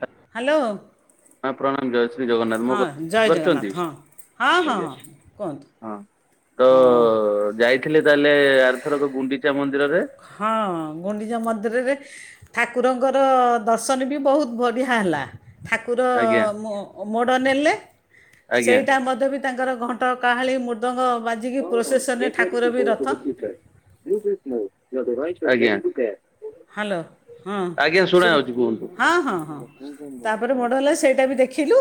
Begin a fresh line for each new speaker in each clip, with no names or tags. Hello,
hello,
ହଁ ପ୍ରଣାମ ଜୟ ଶ୍ରୀ ଜଗନ୍ନାଥ ମୋ
ହଁ
କଥା
ଜୟ
ଶୁଣିପାରୁଛନ୍ତି?
ଜଗନ୍ନାଥ ହଁ। ହଁ ହଁ କୁହନ୍ତୁ ହଁ।
ଥିଲି ତାହେଲେ ଆର୍ଥରକ ଗୁଣ୍ଡିଚା ମନ୍ଦିରରେ।
ହଁ ଗୁଣ୍ଡିଚା ମନ୍ଦିରରେ ଠାକୁରଙ୍କର ଦର୍ଶନ ବି ବହୁତ ବଢିଆ ହେଲା ଠାକୁ କୁର
ଆଜ୍ଞା
ର ମୋଡ଼ ନେଲେ
ଆଜ୍ଞା।
ସେଇଟା ମଧ୍ୟ ବି ତାଙ୍କର ଘଣ୍ ଘଣ୍ଟ କାହାଳିୀ ମୃଦଙ୍ଗ ବାଜିକି ପ୍ରୋସେସନେ ଠାକୁର ବି ରଥ
ଆଜ୍ଞା।
ହ୍ୟାଲୋ ହଁ
ଆଜ୍ଞା ଶୁଣା
ସୁବ୍
ଯାଉଛି କୁହନ୍ତୁ।
ହଁ ହଁ ହଁ। ତା ପରେ ପରେ
ହଁ,
ମୋଡ଼ ହେଲା ସେଇଟା ବି ଦେଖିଲୁ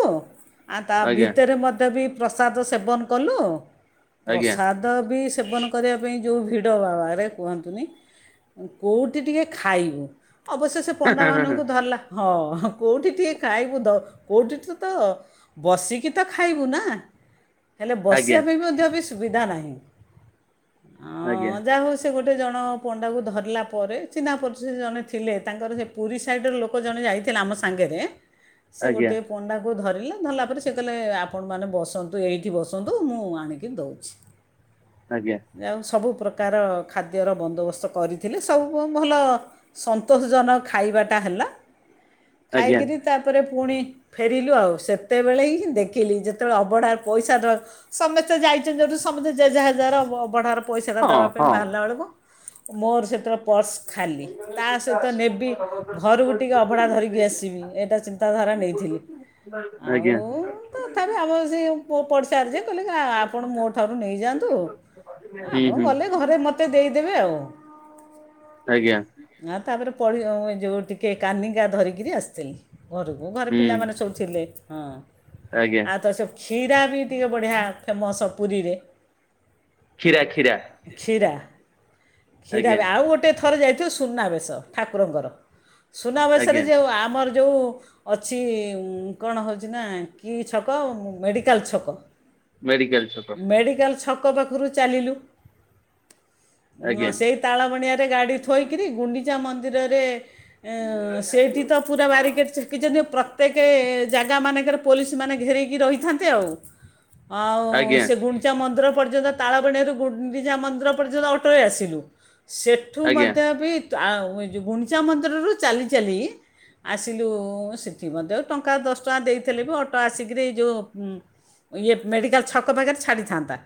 ଆ ତା
ଆଜ୍ଞା
ଭିତରେ ମଧ୍ୟ ବି ପ୍ରସାଦ ସେବନ କଲୁ,
ଆଜ୍ଞା
ପ୍ରସାଦ ବି ସେବନ କରିବା ପାଇଁ ଯୋଉ ଭିଡ ବା ଆରେ କୁହନ୍ତୁନି କୋଉଠି ଟିକେ ଖାଇନୁ ଅବଶ୍ୟ ସେ ପଣ୍ଡା ମାନଙ୍କୁ ଧରିଲା ହଁ କୋଉଠି ଟିକେ ଖାଇବୁ ଦ କୋଉଠି ତ ବସିକି ତ ଖାଇବୁ ନା। ହେଲେ
ଆଜ୍ଞା
ବସିବା ପାଇଁ ମଧ୍ୟ ବି ସୁବିଧା ନାହିଁ,
ଆଜ୍ଞା
ଅଁ ଯାହା ହଉ ସେ ଗୋଟେ ଜଣ ପଣ୍ଡାକୁ ଧରିଲା ପରେ ଚି଼ହ୍ନା ପରିଚିତି ଜଣେ ଥିଲେ, ତାଙ୍କର ସେ ପୁରୀ ସାଇଡର ଲୋକ ଜଣେ ଯାଇଥିଲେ ଆମ ସାଙ୍ଗରେ ସେ
ଆଜ୍ଞା
ଗୋଟିଏ ପଣ୍ଡାକୁ ଧରିଲେ ଧରିଲା ପରେରେ ସେ କହିଲେ ଆପଣମାନେ ବସନ୍ତୁ ଏଇଠି ବସନ୍ତୁ ମୁଁ ଆଣିକି ଦେଉଛି।
ଆଜ୍ଞା।
ଆଉ ସବୁ ପ୍ର୍ରକାର ଖାଦ୍ୟର ବନ୍ଦୋବସ୍ତ କରିଥିଲେ, ସବୁ ମୁ ଭଲ ସନ୍ତୋଷଜନକ ଖାଇବାଟା ହେଲା, ଖାଇ
ଆଜ୍ଞା
କିରି ତାପରେ ପୁଣି ଫେରିଲୁ ଆଉ ସେତେବେଳେ ହିଁ ଦେଖିଲି ଯେତେବେଳେ ଅବଢା ପଇସା ଦବା ସମସ୍ତେ ଯାଇଛନ୍ତି ଯେଉଁଠୁ ସମସ୍ତେ ଯେଝା ଜାହାର ଅବଢ଼ାର ପଇସାଟା
ହଁ
ଦେବା ପାଇଁ
ହଁ
ବାହାରିଲା ବେଳକୁ ମୋର ସେଥିର ପର୍ସ ଖାଲି ତା ସହିତ ନେବି ଘରକୁ ଟିକେ ଅଭଢା ଧରିକି ଆସିବି ଏଇଟା ଚିନ୍ତାଧାରା ନେଇଥିଲି। ଆଉ
ଆଜ୍ଞା।
ତଥାପି ଆମର ସେ ପଡିଶା ରେ ଯେ କହିଲେ ଆପଣ ମୋ ଠାରୁ ନେଇଯାଆନ୍ତୁ।
ହୁଁ
ଆପଣ
ହୁଁ।
ଗଲେ ଘରେ ମତେ ଦେଇଦେବେ ଆଉ
ଆଜ୍ଞା।
ଆଁ ତାପରେ ଯେଉଁ ଟିକେ କାନିିକା ଧରିକିରି ଆସିଥିଲି। ଘରକୁ ଘରେ
ହୁଁ
ପିଲାମାନେ ସବୁଥିଲେ ହଁ
ଆଜ୍ଞା
ଆଉ ତ ସେ ଖିରା ବି ଟିକେ ବଢ଼ିଆ ଫେମସ୍ ପୁରୀରେ।
ଖୀରା ଖୀରା।
କ୍ଷୀରା କ୍ଷୀରା ବି ଆଉ ଗୋଟେ ଗୋଟେ ଥରେ ଯାଇଥିଲୁ ସୁନାବେଶ ଠାକୁରଙ୍କର ସୁନାବେଶରେ
ଆଜ୍ଞା
ଯେଉଁ ଆମର ଯେଉଁ ଅଛି କଣ ହେଉଛି ନା କି ଛକ ମେଡ଼ିକାଲ ଛକ।
ମେଡ଼ିକାଲ ଛକ।
ମେଡିକାଲ ଛକ ପାଖରୁ ଚାଲିଲୁ
ଆଜ୍ଞା
ସେଇ ତାଳବଣିଆ ରେ ଗାଡି ଥୋଇକିରି ଗୁଣ୍ଡିଚା ମନ୍ଦିର ରେ ସେଠି ତା ପୁରା ବାରିକେଟ ଛକ କି ଯଦି ପ୍ରତ୍ୟେକ ଜାଗା ମାନଙ୍କରେ ପୋଲିସ ମାନେ ଘେରକି ରହିଥାନ୍ତେ ଆଉ। ଆଉ
ଆଜ୍ଞା
ସେ ଗୁଣ୍ଡି ଚା ମନ୍ଦିର ପର୍ଯ୍ୟନ୍ତ ତାଳବଣିଆରୁ ଗୁଣ୍ଡିଚା ମନ୍ଦିର ପର୍ଯ୍ୟନ୍ତ ଅଟୋରେ ଆସିଲୁ ସେ ଏଠୁ
ଆଜ୍ଞା
ମଧ୍ୟ ବି ଯେଉଁ ଗୁଣ୍ଡିଚା ମନ୍ଦିରରୁ ଚାଲି ଚାଲି ଆସିଲୁ ସେଠି ମଧ୍ୟ ଟଙ୍କା ଦଶ ଟଙ୍କା ଦେଇଥିଲେ ବି ଅଟୋ ଆସିକିରି ଏଇ ଯୋଉ ଇଏ ମେଡ଼ିକାଲ ଛକ ପାଖରେ ଛାଡ଼ିଥାନ୍ତା?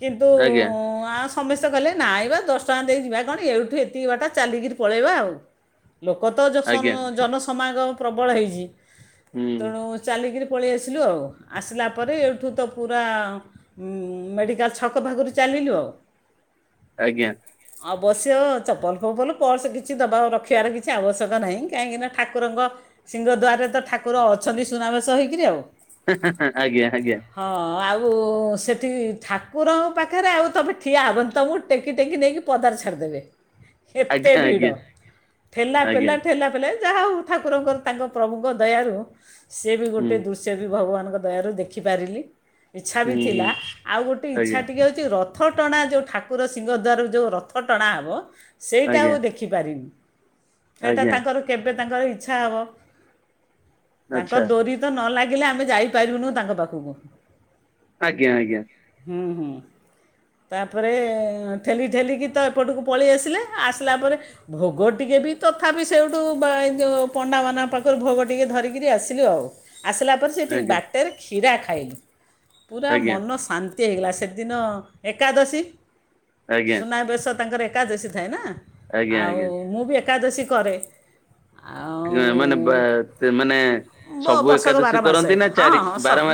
କିନ୍ତୁ
ଆଜ୍ଞା
ଆଉ ସମସ୍ତେ କହିଲେ ନାଇଁବା ଦଶ ଟଙ୍କା ଦେଇକି ଯିବା ଏଇଠୁ ଏତିକି ବାଟ ଚାଲିକିରି ପକେଇବା ଆଉ ଲୋକ
ଆଜ୍ଞା
[unintelligible] ସମାଗମ ପ୍ରବଳ ହେଇଛି
ହୁଁ
ତେଣୁ ଚାଲିକିରି ପଳେଇ ଆସିଲୁ ଆଉ ଆସିଲା ପରେ ଏଇଠୁ ତ ପୁରା ହୁଁ ମେଡ଼ିକାଲ ଛକ ପାଖରୁ ଚାଲିଲୁ ଆଉ
ଆଜ୍ଞା।
ଅବଶ୍ୟ ଚପଲ ଫପଲ ପର୍ସ କିଛି ଦବା ରଖିବାର କିଛି ଆବଶ୍ୟକ ନାହିଁ କାହିଁକିନା ଠାକୁରଙ୍କ ସିଂହଦ୍ୱାରରେ ତ ଠାକୁର ଅଛନ୍ତି ସୁନାବେଶ ହେଇକିରି ଆଉ
ଆଜ୍ଞା ଆଜ୍ଞା।
ହଁ ଆଉ ସେଠି ଠାକୁରଙ୍କ ପାଖରେ ଆଉ ତମେ ଠିଆ ହେବନି ତମକୁ ଟେକି ଟେକି ନେଇକି ପଦାରେ ଛାଡ଼ିଦେବେ ଏତେ
ଆଜ୍ଞା
ଭିଡ଼
ଆଜ୍ଞା
ଠେଲା
ଆଜ୍ଞା
ପେଲା ଠେଲା ପେଲା ଯାହା ହଉ ଠାକୁରଙ୍କର ତାଙ୍କ ପ୍ରଭୁଙ୍କ ଦୟାରୁ ସେ ବି
ହୁଁ
ଗୋଟେ ଦୃ ସେ ବି ଭଗବାନଙ୍କ ଦୟାରୁ ଦେଖିପାରିଲି ଇଚ୍ଛା ବି
ହୁଁ ହୁଁ।
ଥିଲା ଆଉ ଗୋଟେ ଇଚ୍ଛା
ଆଜ୍ଞା
ଟିକେ ଅଛି। ରଥ ଟଣା ଯୋଉ ଠାକୁର ସିଂହଦ୍ୱାରରୁ ଯୋଉ ରଥ ଟଣା ହବ ସେଇଟାକୁ
ଆଜ୍ଞା
ଦେଖି ଦେଖିପାରିନି ସେଇଟା
ଆଜ୍ଞା
ତାଙ୍କର କେବେ ତାଙ୍କର ଇଚ୍ଛା ହେବ। ତାଙ୍କ
ଆଚ୍ଛା
ଡୋରି ତ ନ ଲାଗିଲେ ଆମେ ଯାଇପାରିବୁନୁ ତାଙ୍କ ପାଖକୁ।
ଆଜ୍ଞା ଆଜ୍ଞା।
ହୁଁ ହୁଁ ତାପରେ ଠେଲି ଠେଲିିକି ତ ଏପଟକୁ ପଳେଇ ଆସିଲେ ଆସିଲା ପରେ ଭୋଗ ଟିକେ ବି ତଥାପି ସେଇଠୁ ପଣ୍ଡାମାନଙ୍କ ପାଖରୁ ଭୋଗ ଟିକେ ଧରିକିରି ଆସିଲୁ ଆଉ ଆସିଲା ପରେ ସେଠି
ଆଜ୍ଞା
ବା ଟେରେ କ୍ଷୀରା ଖାଇଲୁ। ପୁରା
ଆଜ୍ଞା
ମନ ଶାନ୍ ନ୍ତି ହେଇଗଲା। ସେଦିନ ଏକାଦଶୀ,
ଆଜ୍ଞା
ସୁନାବେଶ ତାଙ୍କର ଏକାଦଶୀ ଥାଏ ନା।
ଆଜ୍ଞା
ଆଉଁ ମୁଁ ବି ଏକାଦଶୀ କରେ। ଆଉଁ
ମାନେ ବା ମାନେ
ବ-
ସବୁ
ବର୍ଷକ
ଏକାଦଶୀ କରନ୍ତି ନା ଚାରି, ବାର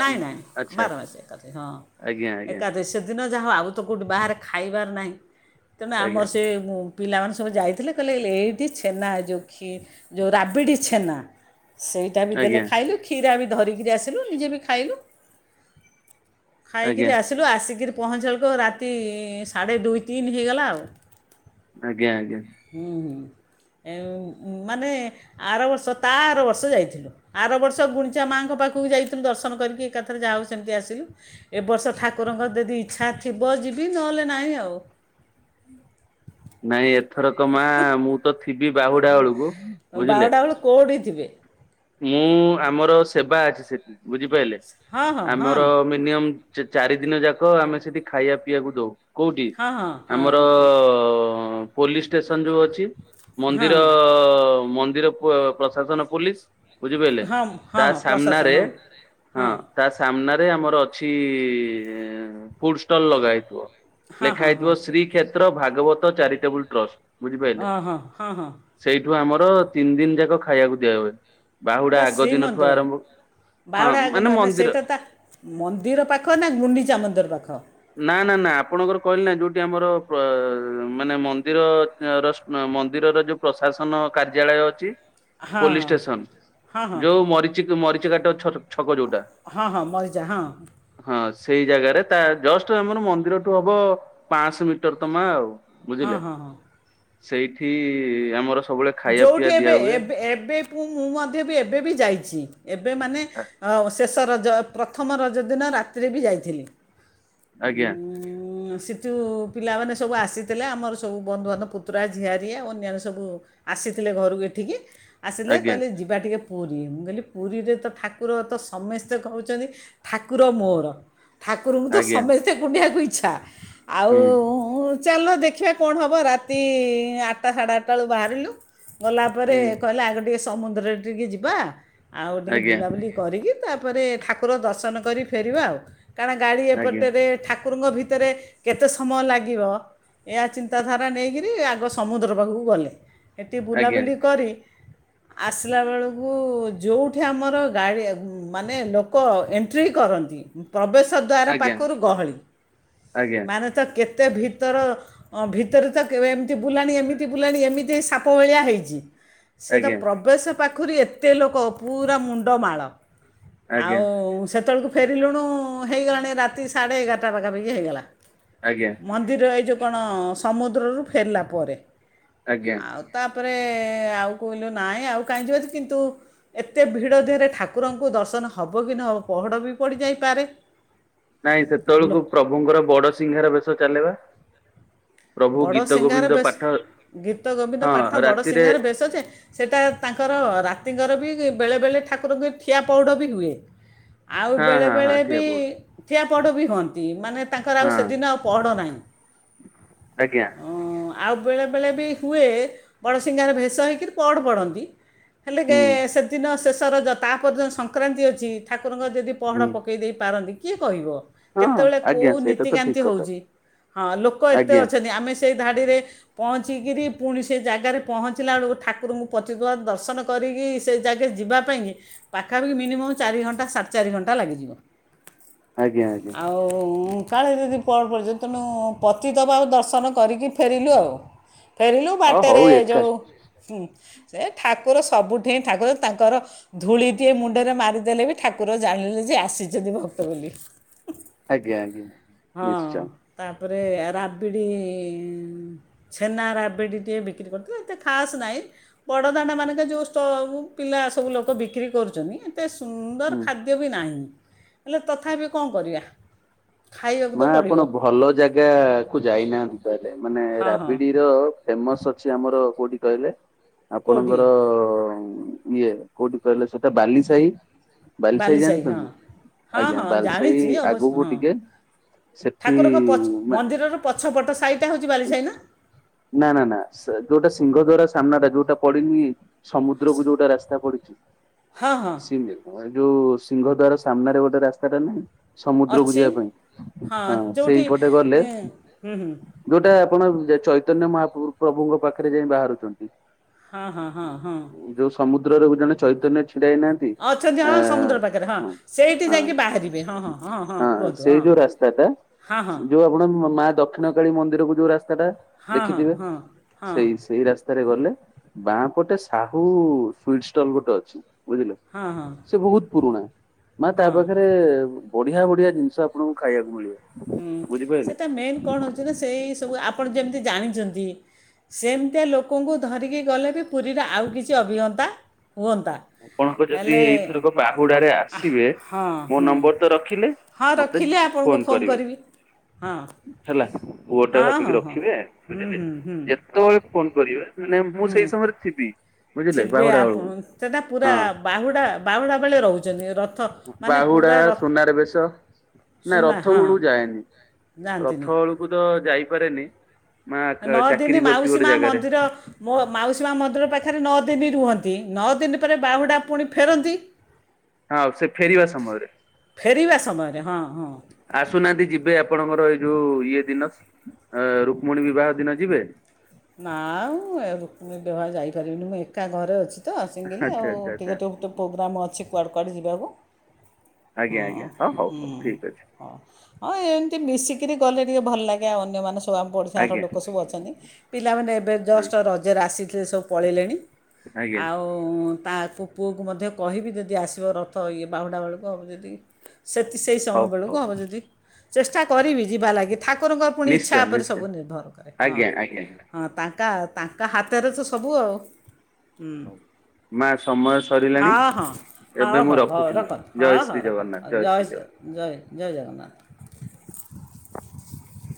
ଆଚ୍ଛା
ବାରମାସୀ ଏକାଥି, ହଁ।
ଆଜ୍ଞା, ଆଜ୍ଞା।
ଦିନ ଯାହା ହୋଉ ଆଉ ତ କୋଉଠି ବାହାରେ ଖାଇବାର ନାହିଁ? ତେଣୁ ଆମର
ଆଜ୍ଞା
ସେ ମୁଁ ପିଲାମାନେ ସବୁ ଯାଇଥିଲେ, କହିଲେ ଲେ ଏଇଠି ଛେନା ଏ ଯୋଉ ଖୀ ଯୋଉ ରାବିଡ଼ି ଛେନା। ସେଇଟା ବି
ଆଜ୍ଞା
ଦେଲେ ଖାଇଲୁ, କ୍ଷୀରା ବି ଧରିକିରି ଆସିଲୁ। ନିଜେ ବି ଖାଇଲୁ।
ଆଜ୍ଞା
ଖାଇକିରି ଆସିଲୁ। ଆସିକିରି ପହଞ୍ଚିଲା ଅଳକୁ ରାତି-ଇଁ ସାଢ଼େ ଦୁଇ ତିନି ହେଇଗଲା ଆଉ।
ଆଜ୍ଞା, ଆଜ୍ଞା।
ହୁଁ, ହୁଁ, ଏଁ ମାନେ ଆର ବର୍ଷ ତା, ଆର ବର୍ଷ ଯାଇଥିଲୁ। ଆର ବର୍ଷ ଗୁଣ୍ଡିଚା ମାଆଙ୍କ ପାଖକୁ ଯାଇଥିଲୁ, ଦର୍ଶନ କରିକି ଏକାଥରେ ଯାହା ହଉ ସେମିତି ଆସିଲୁ। ଏବର୍ଷ ଠାକୁରଙ୍କ ଯଦି ଇଚ୍ଛା ଥିବ, ଯିବି ନହେଲେ ନାହିଁ ଆଉ।
ନାଇଁ, ଏଥରକ ମାଁ, ମୁଁ ତ ଥିବି ବାହୁଡା ଅଳୁକୁ।
ବାହୁଡ଼ା ଅଳୁ କୋଉଠି ଥିବେ?
ମୁଁ, ଆମର ସେବା ଅଛି ସେଠି। ବୁଝିପାଇଲେ!
ହଁ ହଁ
ଆମର ମି ମିନିମମ୍ ଚାରି ଦିନ ଯାକ ଆମେ ସେଠି ଖାୟା ପିଆକୁ ଦଉ। କୋଉଠି?
ହଁ ହଁ
ଆମର-ର-ରଁ ପୋଲିସ ଷ୍ଟେସନ୍ ଯୋଉ ଅଛି।
ହଁ ହଁ ହଁ
ମନ୍ଦିର-ଅ-ଅ ମନ୍ଦିର ପ-ପ୍ରଶାସନ ପୋଲିସ ବୁଝିପାଇଲେ?
ହଁ
ତା
ହଁ
ସାମ୍ନାରେ,
ପ୍ରଶାସନ
ହଁ ତା, ସାମ୍ନାରେ ଆମର ଅଛି, ଫୁଡ୍ ଷ୍ଟଲ୍ ଲଗା ହେଇଥିବ।
ହଁ
ଲେଖା
ହଁ ହଁ ହଁ
ହେଇଥିବ, ଶ୍ରୀକ୍ଷେତ୍ର ଭାଗବତ ଚାରିଟେବୁଲ୍ ଟ୍ରଷ୍ଟ। ବୁଝିପାଇଲେ?
ହଁ ହଁ ହଁ ହଁ
ସେଇଠୁ, ଆମର ତିନି ଦିନ ଯାକ ଖାଇଆକୁ ଦିଆ ହୁଏ। ବାହୁଡା
ହେଟା
ଆଗ ଦିନଠୁ
ଶ୍ରୀମନ୍ଦିର।
ଆରମ୍ଭ ହଁ
ବାହୁଡ଼ା ଆଗ, ମାନେ
ମନ୍ଦିର
ସେଇଟା ତା ମନ୍ଦିର ପାଖ ନା ଗୁଣ୍ଡିଚା ମନ୍ଦିର ପାଖ?
ନା, ନା, ନା, ଆପଣଙ୍କର କହିଲି ନା ଯୋଉଠି ଆମର, ପ-ଅ ମାନେ ମନ୍ଦିର ର ସ ମନ୍ଦିରର ଯୋଉ ପ୍ରଶାସନ କାର୍ଯ୍ୟାଳୟ ଅଛି,
ହଁ
ପୋଲିସ ଷ୍ଟେସନ୍
ହଁ ହଁ ହଁ
ଯୋଉ, ମରିଚିକ୍ ମରିଚିକାଟ ଛକ୍, ଛକ ଯୋଉଟା।
ହଁ, ହଁ, ମରିଯା, ହଁ।
ହଁ, ସେଇ ଜାଗାରେ ତା, ଜଷ୍ଟ ଆମର ମନ୍ଦିରଠୁ ହବ ପାଁଆଶହ ମିଟର ତମା ଆଉ।
ହଁ
ବୁଝିଲେ?
ହଁ ହଁ
ସେଇଠି ଆମର ସବୁଳେ
ଯୋଉଠି ଏବେ ଏବ୍ ଏବେବ୍ ମୁଁ, ମୁଁ ମଧ୍ୟ ବି ଏବେ ବି ଯାଇଛି। ଏବେ ମାନେ ଅଁ ଶେଷ୍ ତ, ରଜ ପ୍ରଥମ ରଜ ଦିନ ରାତିରେ ବି ଯାଇଥିଲି।
ଆଜ୍ଞା।
ସିଠୁ ପିଲାମାନେ ସବୁ ଆସିଥିଲେ। ଆମର ସବୁ ବନ୍ଧୁବାନ୍ଧବ, ପୁତୁରା, ଝିଆରିି, ଆଉ ଅନ୍ୟାନ୍ୟ ସବୁ ଆସିଥିଲେ ଘରୁକୁ ଏଠିକି, ଆସିଲେ
ଆଜ୍ଞା
କହିଲେ ଯି ଯିବା ଟିକେ ପୁରୀ। ମୁଁ, କହିଲି ପୁରୀରେ ତ ଠାକୁର ତ ସମେସ୍ତେ କହୁଚନ୍ତି ଠାକୁର ମୋର। ଠାକୁରୁଙ୍କୁ ତ
ଆଜ୍ଞା
ସମେସ୍ତେ କୁଣ୍ଡେଇବାକୁ ଇଚ୍ଛା। ଆଉଁ
ହୁଁ
-ଉଁ ଚାଲ ଦେଖିବା କଣ ହବ? ରାତି-ଇଁ ଆଟ୍ଟା, ସାଢ଼େ ଆଟ୍ଟା ଳୁ ବାହାରିଲୁ। ଗଲା ପରେ
ହୁଁ
କହିଲା, ଆଗ ଟିକେ ସମୁଦ୍ରରେ ଟିକେ ଯିବା। ଆଉ, ଟିକେ
ଆଜ୍ଞା
ବୁଲାବୁଲି କରିକି, ତା'ପରେ ଠାକୁର ଦର୍ଶନ କରି ଫେରିବା ଆଉ। କାରଣ ଗାଡ଼ି
ଆଜ୍ଞା
ଏପଟରେ ଠାକୁରଙ୍କ ଭିତରେ। କେତେ ସମୟ ଲାଗିବ ଏହା ଚିନ୍ତାଧାରା ନେଇକିରି ଆଗ ସମୁଦ୍ର ପାଖକୁ ଗଲେ। ଏଠି ବୁଲାବୁଲି କରି ଆସିଲା ବେଳକୁ ଯୋଉ। ଆମର ଗାଡ଼ି ମାନେ ଲୋକ ଏଣ୍ଟ୍ରି କରନ୍ତି। ପ୍ରବେଶ ଦ୍ୱାର
ଆଜ୍ଞା
ପାଖୁରୁ ଗହଳି।
ଆଜ୍ଞା
ମାନେ ତ କେତେ ଭିତର। ଭିତରେ ତ କେବେ ଏମିତି ବୁଲାଣି ଏମିତି ବୁଲାଣି ଏମିତି ଏଇ ସାପ ଭଳିଆ ହେଇଛି। ସେ ତ
ଆଜ୍ଞା ଆଜ୍ଞା
ପ୍ର। ପ୍ରବେଶ ପାଖରୁ ଏତେ ଲୋକ ପୁରା ମୁଣ୍ଡମାଳ ଆଉ
ଆଜ୍ଞା
ସେତେବେଳୁକୁ। ଫେରିଲୁଣୁ ହେଇଗଲାଣି ରାତି ସାଢେ ଏଗାରଟା ପାଖାପାଖି ହେଇଗଲା।
ଆଜ୍ଞା।
ମନ୍ଦିର ଏଇ ଯେଉଁ କଣ ସମୁଦ୍ରରୁ ଫେରିଲା ପରେ।
ଆଜ୍ଞା।
ଆଉ ତାପରେ ଆଉ କହିଲୁ ନାଇଁ ଆଉ କାହିଁ ଯିବା କିନ୍ତୁ। ଏତେ ଭିଡ଼ ଧିହରେ ଠାକୁରଙ୍କୁ ଦର୍ଶନ ହବ କି ନହବ ପହଡ଼ ବି ପଡ଼ିଯାଇପାରେ।
ନାଇଁ
ଲୋ
ସେତେବେଳକୁ ପ୍ରଭୁଙ୍କର ବଡସିଂହାର ବେଶ ଚାଲେ ପା।
ବଡ଼ ସିଙ୍ଗାର ବେସ୍ ଗୀତ ଗୋବିନ୍ଦ
ହଁ
ପାଠ ବଡ଼
ରାତିରେ
ସିଙ୍ଗାର ବେଶ ଯେ। ସେଟା ତାଙ୍କର ରାତିଙ୍କର ବି ବେଳେବେଳେ ଠାକୁରଙ୍କୁ ବି ଠିଆ ପଉଡ଼ ବି ହୁଏ। ଆଉ
ହଁ ହଁ ହଁ
ବେଳେବେଳେ
ଠିଆ
ବି
ପଡୁ
ଠିଆପହଡ ବି ହୁଅନ୍ତି ମାନେ ତାଙ୍କର ଆଉ
ହଁ
ସେଦିନ ଆଉ ପହଢ଼ ନାହିଁ।
ଆଜ୍ଞା।
ହଁ ଆଉ ବେଳେବେଳେ ବି ହୁଏ ବଡ଼ସିଂଙ୍ଗାର ଭେଷ ହୋଇକରି ପଅଡ ପଡ଼ନ୍ତି। ହେଲେ ଗେ
ହୁଁ
ସେଦିନ ଶେଷ ରଜ ତାପରଦିନ ସଂକ୍ରାନ୍ତି ଅଛି। ଠାକୁରଙ୍କ ଯଦି ପହଡ଼
ହୁଁ
ପକେଇ ଦେଇ ପାରନ୍ତି କିଏ କହିବ।
ହଁ
କେତେବେଳେ
ଆଜ୍ଞା
କୋଉ
ସେଇଟା ତ
ନୀତିକାନ୍ତି
ଠିକ କଥା
ହୋଉଛି ହଁ ଲୋକ ଏତେ
ଆଜ୍ଞା
ଅଛନ୍ତି ଆମେ ସେଇ ଧାଡ଼ିରେ। ପହଞ୍ଚିକିରି ପୁଣି ସେ ଜାଗାରେ ପହଞ୍ଚିଲା ବେଳୁକୁ ଠାକୁରୁଙ୍କୁ ପତିତ ପାବନ ଦର୍ଶନ। କରିକି ସେ ଜାଗେ ଯିବା ପାଇଁକି ପାଖାପାଖି ମିନିମମ୍ ଚାରି ଘଣ୍ଟା ସାଢ଼େ ଚାରି ଘଣ୍ଟା ଲାଗିଯିବ।
[inaudible] ଆଜ୍ଞା
ଆଉ କାଳେ ଯଦି ପଅଡ ପଡିଯିବ ତେଣୁ ପତିତ ପାବ ଦର୍ସ। ଦର୍ଶନ କରିକି ଫେରିଲୁ ଆଉ ଫେରିଲୁ
ଅ
ବାଟରେ
ହଉ ଏକା
ଯୋଉ। ହୁଁ ସେ ଠାକୁର ସବୁଠି ଠାକୁର ତାଙ୍କର। ଧୂଳିଟିଏ ମୁଣ୍ଡରେ ମାରିଦେଲେ ବି ଠାକୁର ଜାଣିଲେ ଯେ ଆସିଚନ୍ତି ଭକ୍ତ ବୋଲି।
ଆଜ୍ଞା ଆଜ୍ଞା
ହଁ
ନିଶ୍ଚୟ।
ତାପରେ ରାବିଡ଼ି। ଛେନା ରାବିଡ଼ି ଟିଏ ବିକ୍ରି କରୁଥିଲେ ଏତେ ଖାସ୍ ନାହିଁ। ବଡ଼ଦାଣ୍ଡ ମାନଙ୍କରେ ଯୋଉ ଷ୍ଟ ଉଁ ପିଲା ସବୁ ଲୋକ ବିକ୍ରି କରୁଚନ୍ତି। ଏତେ ସୁନ୍ଦର
ହୁଁ
ଖାଦ୍ୟ ବି ନାହିଁ ହେଲେ ତଥାପି କଣ କରିବା। ଖାଇବାକୁ ତ
ମା
ପଡ଼ିବ
ଆପଣ ଭଲ ଜାଗା କୁ ଯାଇନାହାନ୍ତି ତାହେଲେ ମାନେ
ହଁ ହଁ
ରାବିଡି ର। ଫେମସ୍ ଅଛି ଆମର କୋଉଠି କହିଲେ
କେଉଁଠି
ଆପଣଙ୍କର ଇଏ କୋଉଠି କହିଲେ ସେଟା ବାଲିସାହି ବାଲିସାହି ଜାଣିଛନ୍ତି
ହଁ
ଆଜ୍ଞା
ହଁ
ବାଲିସାହି
ଜାଣିଛି ଅବଶ୍ୟ
ଆଗକୁ
ହଁ
ଟିକେ ସେଠି
ଠାକୁରଙ୍କ ପଛ
ମା
ମନ୍ଦିରର ପଛପଟ ସାହିଟା ହେଉଛି ବାଲିସାହି ନା
ନା ନା ନା ଯୋଉଟା ସିଂହଦ୍ଵାରା ସାମ୍ନା ଟା ଯୋଉଟା ପଡିନି ସମୁଦ୍ରକୁ ଯୋଉଟା ରାସ୍ତା ପଡିଛି
ହଁ ହଁ
ଏ ଯୋଉ ସିଂହଦ୍ଵାର ସାମ୍ନାରେ ଗୋଟେ ରାସ୍ତାଟା ନାହିଁ ସମୁଦ୍ରକୁ
ଅଛି
ଯିବା ପାଇଁ
ହଁ ଯୋଉଠି
ସେଇପଟେ ଗଲେ
ହିଁ ହୁଁ ହୁଁ
ଯୋଉଟା ଆପଣ ଚୈତନ୍ୟ ମହାପ୍ର ପ୍ରଭୁଙ୍କ ପାଖରେ ଯାଇ ବାହାରୁଛନ୍ତି
ହଁ ହଁ ହଁ ହଁ ହଁ।
ଯୋଉ ସମୁଦ୍ରରେ ଜଣେ ଚୈତନ୍ୟ ଛିଡା ହେଇନାହାନ୍ତି।
ଅଛନ୍ତି
ଆ
ହଁ ସମୁଦ୍ର ପାଖରେ ହଁ ସେଇଠି
ହଁ
ଯାଇକି ବାହାରିବେ ହଁ ହଁ ହଁ ହଁ କୁହନ୍ତୁ?
ସେଇ ଯୋଉ ରାସ୍ତାଟା
ହଁ ହଁ
ଯୋଉ ଆପଣ ମା ଦକ୍ଷିଣ କାଳୀ ମନ୍ଦିରକୁ ଯୋଉ ରାସ୍ତାଟା
ହଁ ହଁ
ଦେଖିଥିବେ
ହଁ ହଁ
ସେଇ
ହଁ
ସେଇ ରାସ୍ତା ରାସ୍ତାରେ ଗଲେ ବାହାଁ ପଟେ ସାହୁ ସୁଇଟ ଷ୍ଟଲ ଗୋଟେ ଅଛି ବୁଝିଲେ?
ହଁ ହଁ।
ସେ ବହୁତ ପୁରୁଣା ମା ତା
ହଁ
ପାଖରେ ବଢିଆ ବଢିଆ ଜିନିଷ ଆପଣଙ୍କୁ ଖାଇବାକୁ ମିଳିବ।
ହୁଁ
ବୁଝିପାରିଲେ
ସେଟା ମେନ୍ କଣ ହଉଛି? ସେଇ ସବୁ ଆପଣ ଯେମିତି ଜାଣିଛନ୍ତି ସେମିତିଆ ଲୋକଙ୍କୁ ଧରିକି ଗଲେ ବି ପୁରୀରେ ଆଉ କିଛି ଅଭିଜ୍ଞତା ହୁଅନ୍ତା।
ଆପଣଙ୍କ ଯଦି
ହେଲେ
ଏଇଥରକ ବାହୁଡାରେ ଆସିବେ
ହଁ
ମୋ
ହୁଁ
ନମ୍ବର ତ ରଖିଲେ
ହଁ
ମତେ
ରଖିଲି
ଫୋନ
ଆପଣଙ୍କୁ ପୋ
କରିବେ ହେଲା ପୁଅଟା
ହଁ
ଭାବିକି
ହଁ ହଁ
ରଖିବେ
ହୁଁ
ବୁଝିଲେ ଯେ
ହୁଁ ହୁଁ
ଯେତେବେଳେ ଫୋନ କରିବେ ମାନେ ମୁଁ
ହୁଁ
ସେଇ ସମୟରେ ଥିବି ବୁଝିଲେ
ଥିବେ
ବାହୁଡା
ଆପଣ
ବେଳକୁ
ସେଟା ପୁରା
ହଁ
ବାହୁଡା ବାହୁଡା ବେଳେ ରହୁଛି।
ବାହୁଡା ସୁନାରେ ବେଶ। ନା
ସୁନା
ରଥ
ହଁ
ବେଳକୁ ଯାଏନି
ଯାଆନ୍ତିନି
ରଥ ବେଳକୁ ତ ଯାଇପାରେନି। ମା
ନଅ ଦିନି
ଚାକିରି କରିଛି
ମାଉସୀ
ଗୋଟେ
ମା
ଜାଗାରେ
ମନ୍ଦିର ମୋ ମାଉସୀ ମା ମନ୍ଦିର ପାଖରେ ନଅ ଦିନି ରୁହନ୍ତି ନଅ ଦିନି ପରେ ବାହୁଡ଼ା ପୁଣି ଫେରନ୍ତି।
ଆଉ ସେ ଫେରିବା ସମୟରେ।
ଫେରିବା ସମୟରେ ହଁ ହଁ
ଆସୁନାହାନ୍ତି ଯିବେ ଆପଣଙ୍କର ଏଇ ଯୋଉ ଇଏ ଦିନ ରୁକ୍ମଣୀ ବିବାହ ଦିନ ଯିବେ।
ନା ଆଉ ରୁକ୍ମଣୀ ବିବାହ ଯାଇପାରିବିନି ମୁଁ ଏକା ଘରେ ଅଛି। ତ ସିଙ୍ଗିଲି
ଆଚ୍ଛା
ଆଉ
ଆଚ୍ଛା ଆଚ୍ଛା
ଟିକେ ଟିକେ ତ ପ୍ରୋଗ୍ରାମ୍ ଅଛି କୁଆଡ଼େ କୁଆଡ଼େ ଯିବାକୁ?
ଆଜ୍ଞା ଆଜ୍ଞା ହଁ ହଉ ହଉ ଠିକ ଅଛି।
ହଁ। ହଁ ଏମିତି ମିଶିକିରି ଗଲେ ଟିକେ ଭଲ ଲାଗେ ଆଉ ଅନ୍ୟମାନେ ସବୁ ଆମ ପଡ଼ିଶାର
ଆଜ୍ଞା
ଲୋକ ସବୁ ଅଛନ୍ତି। ପିଲାମାନେ ଏବେ
ହଁ
ଜଷ୍ଟ ରଜରେ ଆସିଥିଲେ ସବୁ ପଳେଇଲେଣି
ଆଜ୍ଞା
ଆଉ ହଁ ତା ପୁଅକୁ ମଧ୍ୟ କହିବି ଯଦି ଆସିବ ରଥ ଇଏ ବାହୁଡ଼ା ବେଳକୁ ଯଦି ସେତିି ସେଇ
ହଉ
ସମୟ
ହଉ
ବେଳକୁ ହେବ ଯଦି ଚେଷ୍ଟା କରିବି ଯିବା ଲାଗି। ଠାକୁରଙ୍କର ପୁଣି ଇଚ୍ଛା
ନିଶ୍ଚୟ
ଉପରେ
ନିଶ୍ଚୟ
ସବୁ ନିର୍ଭର କରେ ହଁ।
ଆଜ୍ଞା ଆଜ୍ଞା
ହଁ ତାଙ୍କ ତାଙ୍କ ହାତରେ ତ ସବୁ ଆଉ ହୁଁ।
ମା ସମୟ ସରିଲାଣି
ହଉ
ଏବେ ମୁଁ
ହଉ ହଉ
ରଖୁଛି ମୁଁ
ରଖନ୍ତୁ ହଁ
ଜୟ
ହଁ
ଶ୍ରୀ
ରଖନ୍ତୁ
ଜଗନ୍ନାଥ ଜୟ ଶ୍ରୀ ଜଗନ୍ନାଥ।
ଜୟ ଜୟ ଜଗନ୍ନାଥ।